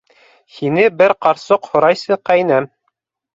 Һине бер ҡарсыҡ һорайсы, ҡәйнәм.